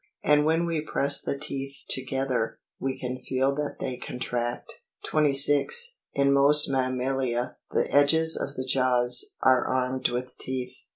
and when we press the teeth together, we can feel that they contract. 26. In most mammalia the edges of the jaws are armed with teeth.